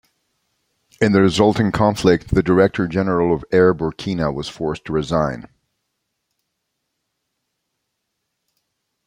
In the resulting conflict, the director-general of Air Burkina was forced to resign.